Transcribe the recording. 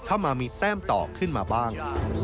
เข้ามามีแต้มต่อขึ้นมาบ้าง